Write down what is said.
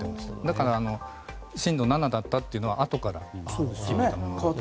だから、震度７だったというのはあとから決めたものです。